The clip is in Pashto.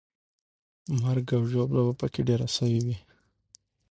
مرګ او ژوبله به پکې ډېره سوې وي.